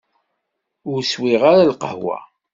Ur swiɣ ara lqahwa.